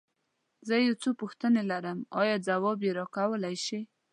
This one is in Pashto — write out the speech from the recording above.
زه يو څو پوښتنې لرم، ايا ځواب يې راکولی شې؟